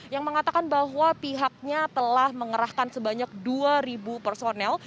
yang mengatakan bahwa pihaknya telah mengerahkan sebanyak dua personel